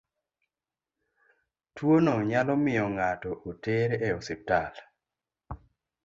Tuono nyalo miyo ng'ato oter e osiptal.